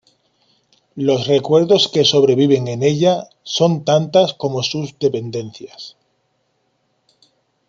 Los recuerdos que sobreviven en ella, son tantas como sus dependencias.